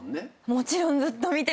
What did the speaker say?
もちろんずっと見てます。